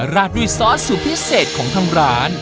ราดด้วยซอสสูตรพิเศษของทางร้าน